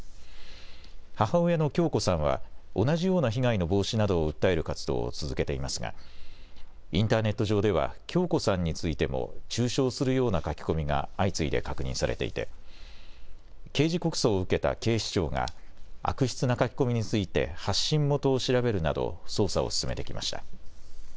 母親の響子さんは、同じような被害の防止などを訴える活動を続けていますが、インターネット上では響子さんについても中傷するような書き込みが相次いで確認されていて、刑事告訴を受けた警視庁が、悪質な書き込みについて発信元を調べるなど、捜査を進めてきました。